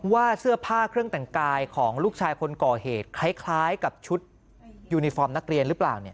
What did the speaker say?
ว่าเสื้อผ้าเครื่องแต่งกายของลูกชายคนก่อเหตุคล้ายกับชุดยูนิฟอร์มนักเรียนหรือเปล่า